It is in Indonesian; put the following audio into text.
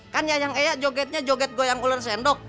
kan yayang eya jogetnya joget goyang ular sendok